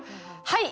「はい！